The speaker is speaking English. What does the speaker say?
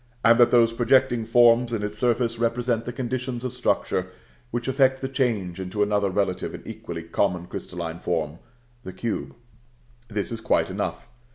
and that those projecting forms in its surface represent the conditions of structure which effect the change into another relative and equally common crystalline form, the cube. This is quite enough.